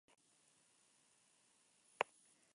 Homer lee la revista Cat Fancy.